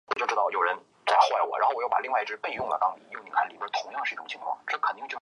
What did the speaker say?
比赛的胜利者将与卫冕世界冠军争夺新的国际象棋世界冠军。